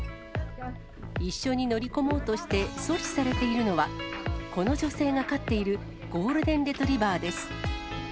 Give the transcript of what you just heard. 一緒に乗り込もうとして阻止されているのは、この女性が飼っているゴールデンレトリバーです。